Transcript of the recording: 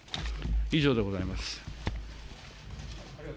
以上でございます。